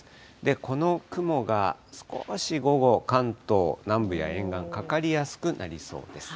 この雲が少し午後、関東南部や沿岸、かかりやすくなりそうです。